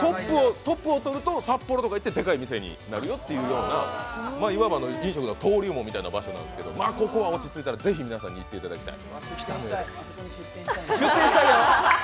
トップをとると札幌とか行ってでかい店になるよというようないわば飲食の登竜門みたいな場所なんですけどここは落ち着いたらぜひ皆さんに行ってもらいたい。